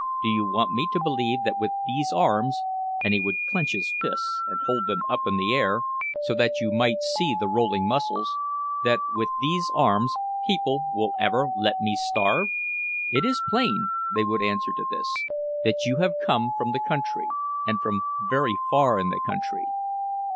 Do you want me to believe that with these arms"—and he would clench his fists and hold them up in the air, so that you might see the rolling muscles—"that with these arms people will ever let me starve?" "It is plain," they would answer to this, "that you have come from the country, and from very far in the country."